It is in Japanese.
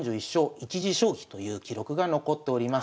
１持将棋という記録が残っております。